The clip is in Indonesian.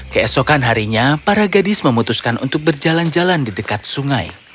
keesokan harinya para gadis memutuskan untuk berjalan jalan di dekat sungai